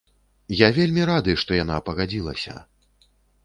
Я вельмі рады, што яна пагадзілася!